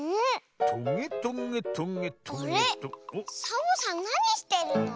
サボさんなにしてるの？